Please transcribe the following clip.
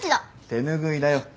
手拭いだよ。